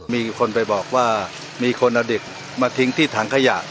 มีคนไปบอกว่ามีคนเอาเด็กมาทิ้งที่ถังขยะ